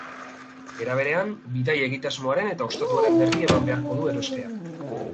Era berean, bidai egitasmoaren eta ostatuaren berri eman beharko du erosleak.